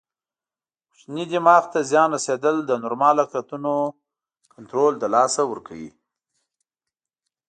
کوچني دماغ ته زیان رسېدل د نورمالو حرکتونو کنټرول له لاسه ورکوي.